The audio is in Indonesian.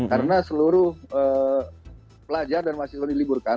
karena seluruh pelajar dan mahasiswa di sini kita sudah berpengalaman